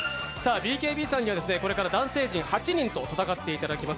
ＢＫＢさんにはこれから男性陣８人と戦っていただきます。